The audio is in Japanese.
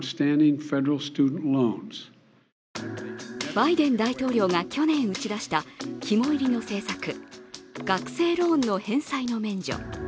バイデン大統領が去年打ち出した肝いりの政策、学生ローンの返済の免除。